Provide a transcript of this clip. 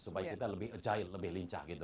supaya kita lebih agile lebih lincah gitu